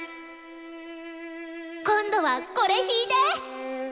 今度はこれ弾いて！